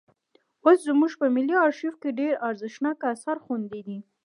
اوس زموږ په ملي ارشیف کې ډېر ارزښتناک اثار خوندي دي.